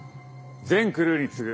全クルーに告ぐ！